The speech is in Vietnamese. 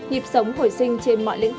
hiệp sống hồi sinh trên mọi lĩnh vực